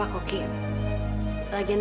lagian tadi arman juga dateng